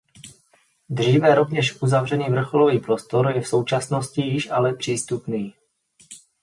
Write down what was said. Dříve rovněž uzavřený vrcholový prostor je v současnosti již ale přístupný.